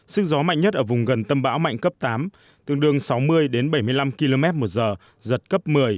sức gió mạnh nhất ở vùng gần tâm bão mạnh cấp tám tương đương sáu mươi đến bảy mươi năm km một giờ giật cấp một mươi